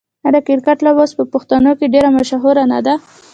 آیا د کرکټ لوبه اوس په پښتنو کې ډیره مشهوره نه ده؟